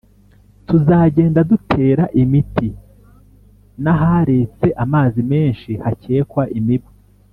tuzagenda dutera imiti n'aharetse amazi menshi hakekwa imibu